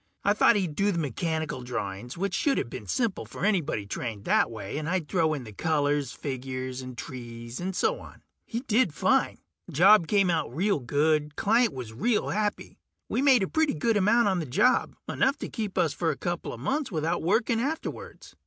I thought he'd do the mechanical drawings, which shoulda been simple for anybody trained that way, and I'd throw in the colors, figures and trees and so on. He did fine. Job came out good; client was real happy. We made a pretty good amount on the job, enough to keep us for a coupla months without working afterwards.